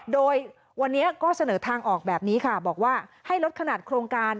โดยวันนี้ก็เสนอทางออกแบบนี้ค่ะบอกว่าให้ลดขนาดโครงการ